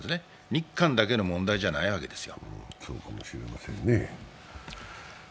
日韓だけの問題じゃないわけですよ。